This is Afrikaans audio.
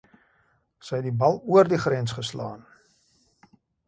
Sy het die bal oor die grens geslaan.